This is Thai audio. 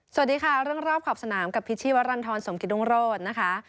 สวัสดีค่ะเรื่องรอบขอบสนามกับพิชชีวรรณฑรสมกิตรุงโรธนะคะ